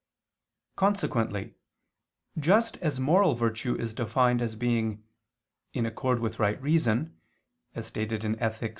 Consequently just as moral virtue is defined as being "in accord with right reason," as stated in _Ethic.